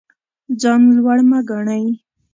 ځان لوړ مه ګڼئ.